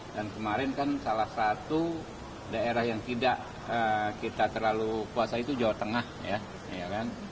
dan kemarin kan salah satu daerah yang tidak kita terlalu kuasa itu jawa tengah ya